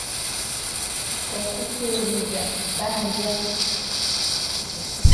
Okusuubiza bbanja.